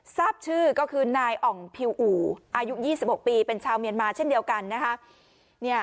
ทราบชื่อก็คือนายอ่องพิวอู่อายุ๒๖ปีเป็นชาวเมียนมาเช่นเดียวกันนะคะ